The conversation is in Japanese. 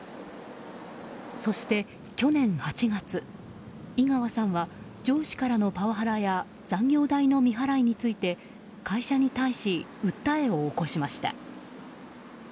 そして去年８月、井川さんは上司からのパワハラや残業代の未払いについて会社に対し訴えを起こしました。